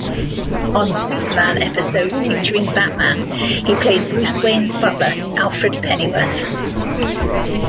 On "Superman" episodes featuring Batman, he played Bruce Wayne's butler, Alfred Pennyworth.